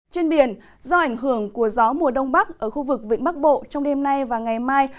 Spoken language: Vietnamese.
trên biển do ảnh hưởng của gió mùa đông bắc ở khu vực vĩnh bắc bộ trong đêm nay và ngày mai